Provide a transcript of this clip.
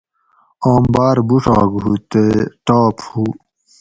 آم باۤر بوُڄھاگ ہوُ تے ٹاپ ہوُ